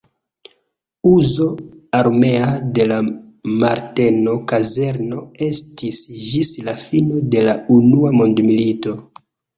Uzo armea de la Marteno-kazerno estis ĝis la fino de la Unua mondmilito.